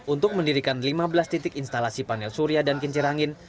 untuk mendirikan lima belas titik instalasi panel surya dan kincir angin